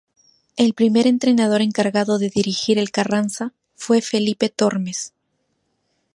El primer entrenador encargado de dirigir el Carranza fue Felipe Tormes.